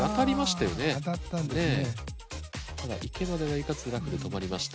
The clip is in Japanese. ただ池までは行かずラフで止まりました。